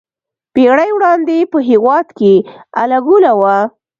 پېړۍ وړاندې په هېواد کې اله ګوله وه.